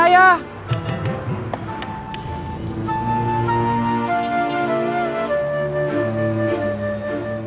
anak buah saeb itu banyak